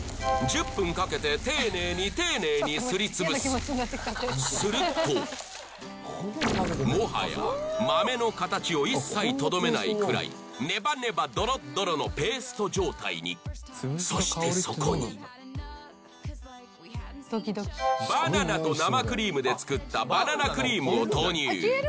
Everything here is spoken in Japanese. １０分かけて丁寧に丁寧にすりつぶすするともはや豆の形を一切とどめないくらいのペースト状態にそしてそこにバナナと生クリームで作ったバナナクリームを投入